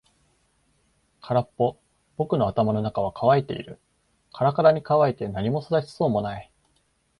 空っぽ。僕の頭の中は乾いている。からからに乾いて何も育ちそうもない。